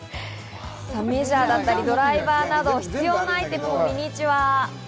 メジャーだったり、ドライバーなど必要なアイテムのミニチュア。